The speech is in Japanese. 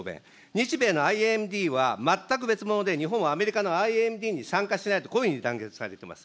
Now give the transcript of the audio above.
日米のＩＡＭＤは全く別物で、日本はアメリカのＩＡＭＤに参加しないと、こういうふうに断言されてます。